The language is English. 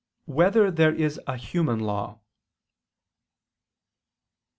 3] Whether There Is a Human Law?